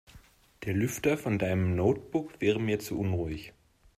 Der Lüfter von deinem Notebook wäre mir zu unruhig.